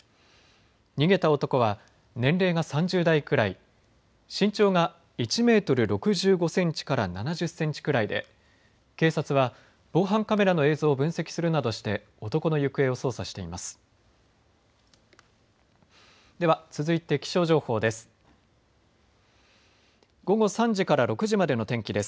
逃げた男は年齢が３０代くらい、身長が１メートル６５センチから７０センチくらいで警察は防犯カメラの映像を分析するなどして男の行方を捜査しています。